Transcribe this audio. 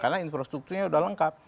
karena infrastrukturnya sudah lengkap